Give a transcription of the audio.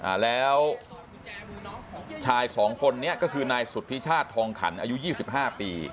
อ่าแล้วชายสองคนนี้ก็คือนายสุธิชาติทองขันอายุยี่สิบห้าปี